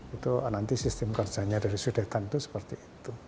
itu nanti sistem kerjanya dari sudetan itu seperti itu